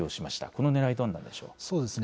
このねらいはどうなんでしょう。